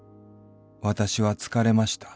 私は疲れました。